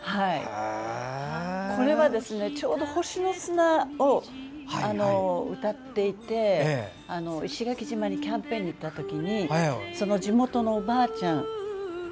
これは、ちょうど「星の砂」を歌っていて石垣島にキャンペーンに行ったときに地元のおばあちゃん